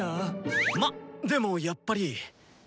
まっでもやっぱり。